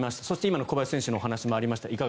そして、小林選手のお話もありました。